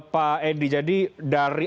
pak edi jadi dari